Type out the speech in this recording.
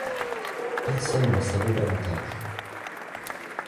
Personne n’en savait d’avantage.